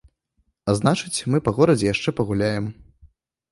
А значыць, мы па горадзе яшчэ пагуляем.